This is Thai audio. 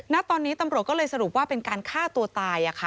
ณตอนนี้ตำรวจก็เลยสรุปว่าเป็นการฆ่าตัวตาย